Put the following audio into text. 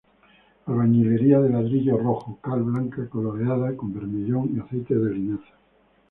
Albañilería de ladrillo rojo, cal blanca coloreada con bermellón y aceite de linaza.